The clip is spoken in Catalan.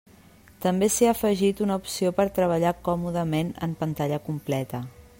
També s'hi ha afegit una opció per treballar còmodament en pantalla completa.